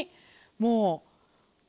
もう。